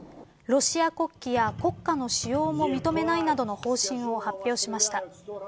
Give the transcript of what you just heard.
ロシア国旗や国歌の使用も認めないなどの方針を発表しました。